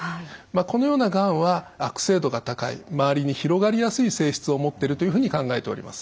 このようながんは悪性度が高い周りに広がりやすい性質を持ってるというふうに考えております。